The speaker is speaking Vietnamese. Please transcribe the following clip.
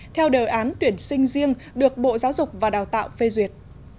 theo đề án tuyển sinh riêng được bộ giáo dục và đào tạo phê duyệt